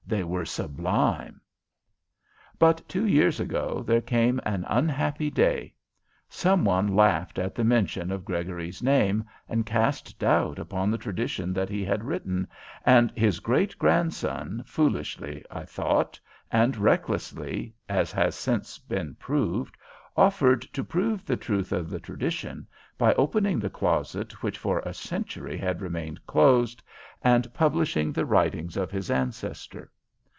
They were sublime.' "But two years ago there came an unhappy day. Some one laughed at the mention of Gregory's name and cast doubt upon the tradition that he had written, and his great grandson, foolishly, I thought, and recklessly, as has since been proved, offered to prove the truth of the tradition by opening the closet which for a century had remained closed, and publishing the writings of his ancestor.